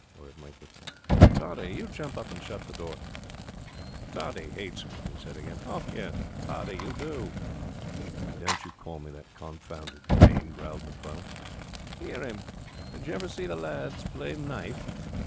Or it might be, 'Toddy, you jump up and shut the door.' 'Toddy hates me,' he said again. 'Oh yes, Toddy, you do!' 'Don't you call me that confounded name,' growled Macfarlane. 'Hear him! Did you ever see the lads play knife?